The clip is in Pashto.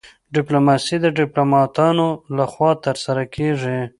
ډیپلوماسي د ډیپلوماتانو لخوا ترسره کیږي